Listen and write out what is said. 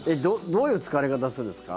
どういう使われ方をするんですか？